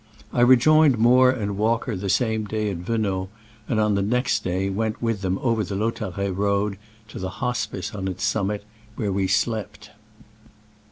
I rejoined Moore and Walker the same evening at Venos, and on the next day went with them over the Lautaret road to the hospice on its summit, where we slept.